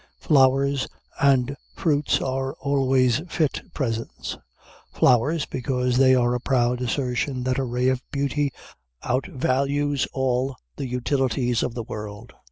Flowers and fruits are always fit presents; flowers, because they are a proud assertion that a ray of beauty outvalues all the utilities of the world.